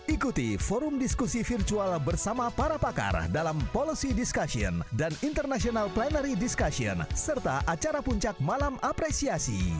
ikuti forum diskusi virtual bersama para pakar dalam policy discussion dan international plenary discussion serta acara puncak malam apresiasi